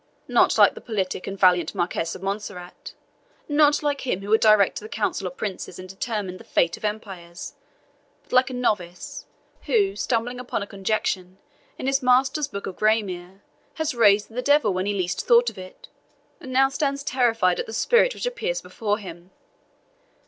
Not like the politic and valiant Marquis of Montserrat, not like him who would direct the Council of Princes and determine the fate of empires but like a novice, who, stumbling upon a conjuration in his master's book of gramarye, has raised the devil when he least thought of it, and now stands terrified at the spirit which appears before him."